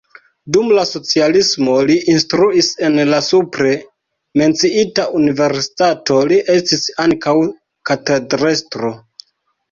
Dum la socialismo li instruis en la supre menciita universitato, li estis ankaŭ katedrestro.